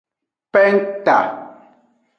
Penta.